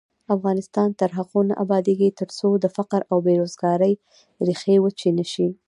افغانستان تر هغو نه ابادیږي، ترڅو د فقر او بې روزګارۍ ریښې وچې نشي.